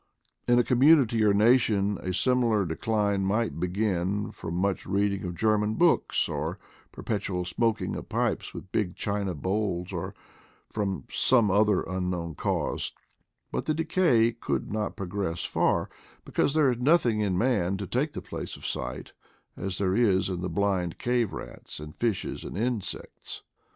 In a community or nation a similar decline might begin from much reading of German books, or perpetual smoking of pipes with big china bowls, or from some other unknown cause ; but the decay could not progress far, because there is nothing in man to take the place of sight, as there is in the blind cave rats and fishes and insects.